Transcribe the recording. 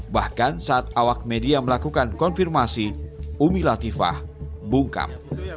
bahkan saat awak media melakukan konfirmasi umi latifah bungkam